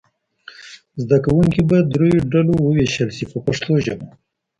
زده کوونکي به دریو ډلو وویشل شي په پښتو ژبه.